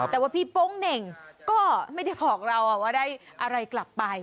แต่ว่าพี่โป๊งเหน่งก็ไม่ได้บอกเราว่าได้อะไรกลับไป